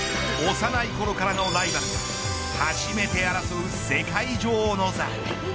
幼いころからのライバル初めて争う世界女王の座。